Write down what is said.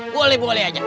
boleh boleh aja